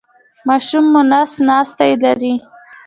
ماشوم مو نس ناستی لري؟